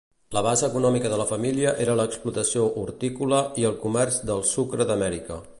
La base econòmica de la família era l'explotació hortícola i el comerç del sucre d'Amèrica.